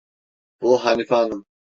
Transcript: Bu, Hanife hanım.